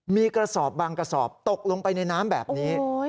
มีกระสอบบางกระสอบตกลงไปในน้ำแบบนี้